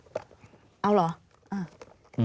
อืมขอบดู